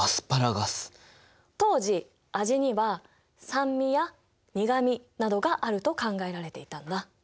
当時味には酸味や苦味などがあると考えられていたんだ。